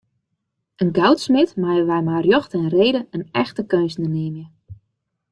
In goudsmid meie wy mei rjocht en reden in echte keunstner neame.